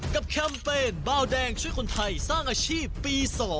แคมเปญเบาแดงช่วยคนไทยสร้างอาชีพปี๒